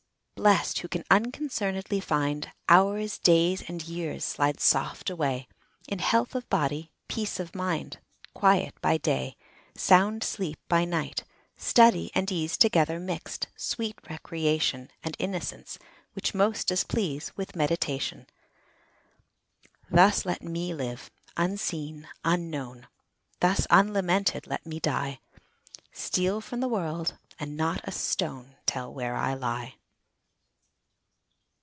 Blest, who can unconcern'dly find Hours, days, and years, slide soft away In health of body, peace of mind, Quiet by day, Sound sleep by night; study and ease Together mix'd; sweet recreation, And innocence, which most does please With meditation. Thus let me live, unseen, unknown; Thus unlamented let me die; Steal from the world, and not a stone Tell where I lie.